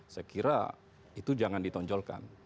saya kira itu jangan ditonjolkan